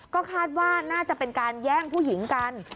ก็คาดว่าน่าจะเป็นการแย่งผู้หญิงกัน